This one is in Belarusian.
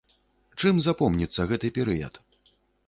Чым запомніцца гэты перыяд?